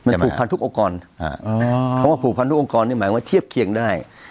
มันผูกพันธุ์ทุกองค์กรเพราะว่าผูกพันธุ์ทุกองค์กรหมายความว่าเทียบเคียงได้